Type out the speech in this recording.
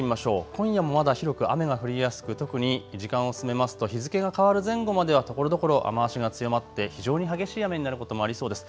今夜もまだ広く雨が降りやすく特に時間を進めますと日付が変わる前後まではところどころ雨足が強まって非常に激しい雨になることもありそうです。